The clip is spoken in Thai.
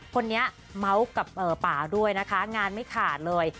คนนี้เมาส์กับป่าด้วยนะคะงานไม่ขาดเลย